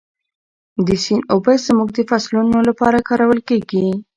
د سیند اوبه زموږ د فصلونو لپاره کارول کېږي.